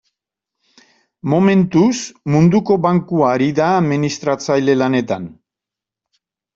Momentuz, Munduko Bankua ari da administratzaile lanetan.